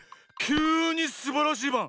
きゅうにすばらしいバン！